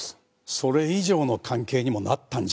それ以上の関係にもなったんじゃありませんか？